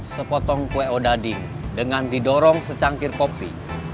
sepotong kue odading dengan didorong secangkir kopi